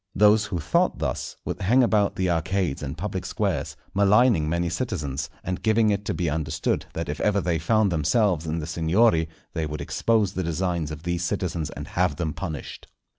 Those who thought thus, would hang about the arcades and public squares, maligning many citizens, and giving it to be understood that if ever they found themselves in the Signory, they would expose the designs of these citizens and have them punished.